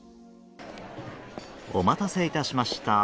お待たせいたしました！